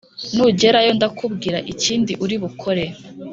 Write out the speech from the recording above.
nugerayo ndakubwira ikindi uri bukore